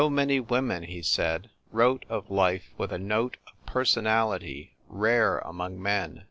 So many women, he said, wrote of life with a note of personality rare among men.